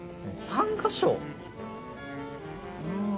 ３か所？